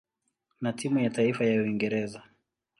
na timu ya taifa ya Uingereza.